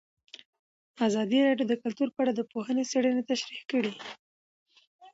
ازادي راډیو د کلتور په اړه د پوهانو څېړنې تشریح کړې.